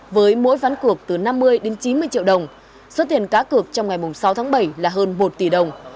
với mỗi ván cuộc từ năm mươi đến chín mươi triệu đồng số tiền cá cược trong ngày sáu tháng bảy là hơn một tỷ đồng